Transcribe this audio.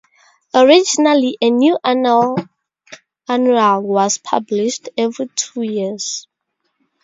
Originally a new annual was published every two years.